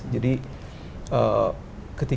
jadi ketika kita ingin memiliki suatu production